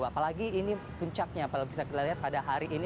apalagi ini puncaknya kalau bisa kita lihat pada hari ini